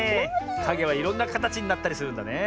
かげはいろんなかたちになったりするんだね。